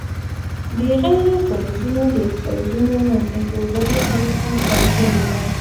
د غیر فلزونو د اکسایدونو نوم ایښودلو طریقه ځانګړې ده.